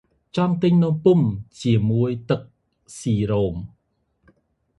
ចង់ទិញនំពុម្ពជាមួយទឹកស៊ីរ៉ូប។